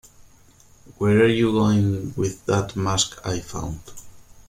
Where you're going with that mask I found?